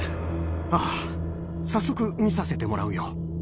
ああ早速見させてもらうよ。